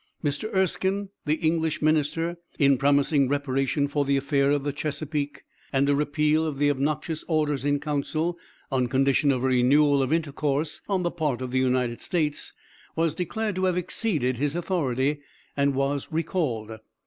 Mr. Erskine, the English minister, in promising reparation for the affair of the Chesapeake, and a repeal of the obnoxious orders in council, on condition of a renewal of intercourse on the part of the United States, was declared to have exceeded his authority, and was recalled.